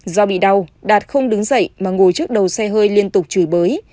do bị đau đạt không đứng dậy mà ngồi trước đầu xe hơi liên tục chửi bới